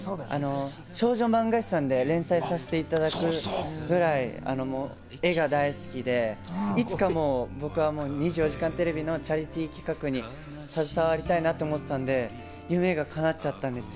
少女漫画誌さんで連載もさせていただいてるくらい絵が大好きで、いつか『２４時間テレビ』のチャリティー企画に携わりたいなと思っていたので夢がかなっちゃったんですよ。